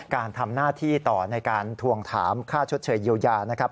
การทำหน้าที่ต่อในการทวงถามค่าชดเชยเยียวยานะครับ